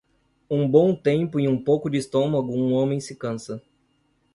Um bom tempo e um pouco de estômago um homem se cansa.